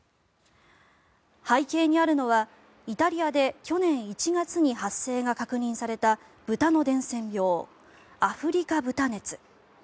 背景にあるのは、イタリアで去年１月に発生が確認された豚の伝染病、アフリカ豚熱。